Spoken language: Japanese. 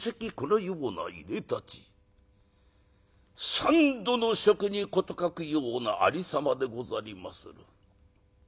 三度の食に事欠くようなありさまでござりまする。